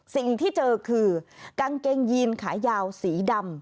สิ่งที่เจอคือกางเกงยีนขายาวสีดำ